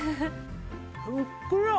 ふっくら！